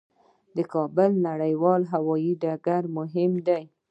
د کابل نړیوال هوايي ډګر مهم دی